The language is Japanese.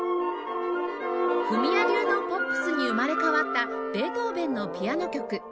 フミヤ流のポップスに生まれ変わったベートーヴェンのピアノ曲